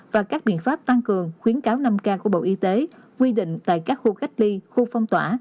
và các biện pháp tăng cường khuyến cáo năm k của bộ y tế quy định tại các khu cách ly khu phong tỏa